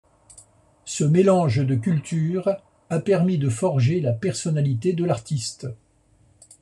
Ce mélange de culture a permis de forger la personnalité de l’artiste.